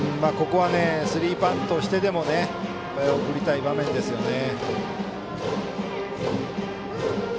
スリーバントしてでもここは送りたい場面ですね。